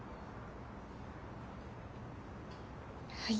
はい。